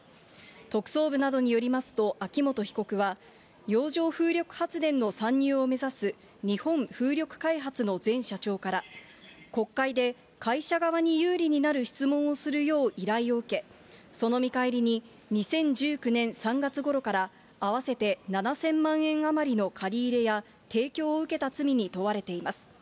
特捜部などによりますと、秋本被告は、洋上風力発電の参入を目指す日本風力開発の前社長から、国会で会社側に有利になる質問をするよう依頼を受け、その見返りに、２０１９年３月ごろから、合わせて７０００万円余りの借り入れや、提供を受けた罪に問われています。